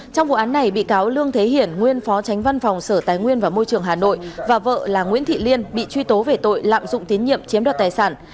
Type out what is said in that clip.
trong vụ án này bị cáo lương thế hiển nguyên phó tránh văn phòng sở tài nguyên và môi trường hà nội và vợ là nguyễn thị liên bị truy tố về tội lạm dụng tín nhiệm chiếm đoạt tài sản